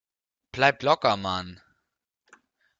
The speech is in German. Bleib locker, Mann!